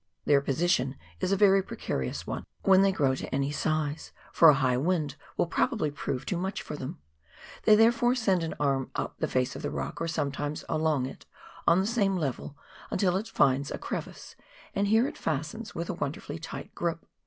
Their position is a very precarious one when they grow to any size, for a high wind will probably prove too much for them ; they therefore send an arm up the face of the rock, or sometimes along it on the same level, until it finds a crevice, and here it fastens with a wonderfully tight grip.